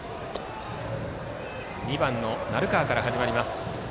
２番の鳴川から始まります。